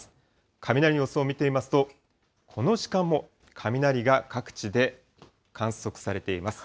雷の様子を見てみますと、この時間も雷が各地で観測されています。